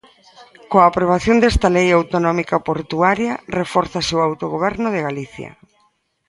Coa aprobación desta lei autonómica portuaria refórzase o autogoberno de Galicia.